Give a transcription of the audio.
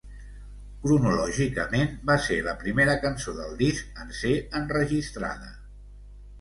Cronològicament, va ser la primera cançó del disc en ser enregistrada.